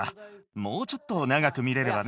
もうちょっと長く見れればね。